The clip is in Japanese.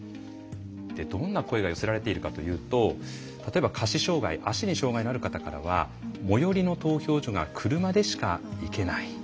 どんな声が寄せられているかというと例えば下肢障害足に障害のある方からは「最寄りの投票所が車でしか行けない」。